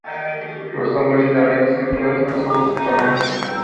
Los hombres finalmente se encuentran con un sub-sótano, encerrado desde el interior.